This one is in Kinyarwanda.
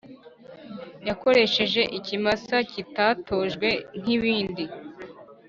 yakoresheje ikimasa kitatojwe nkibindi